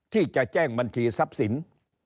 ที่จะแจ้งบัญชีสัพศิลป์